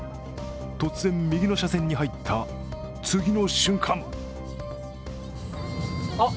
突然右の車線に入った、次の瞬間